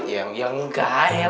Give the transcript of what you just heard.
ya nggak ya